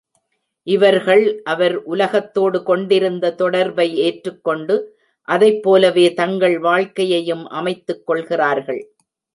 இவர்கள் அவர் உலகத்தோடு கொண்டிருந்த தொடர்பை ஏற்றுக் கொண்டு, அதைப் போலவே தங்கள் வாழ்க்கையையும் அமைத்துக் கொள்கிறார்கள்.